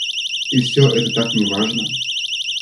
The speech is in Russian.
И всё это так неважно.